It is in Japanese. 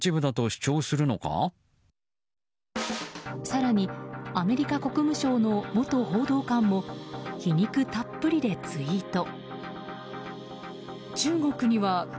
更にアメリカ国務省の元報道官も皮肉たっぷりでツイート。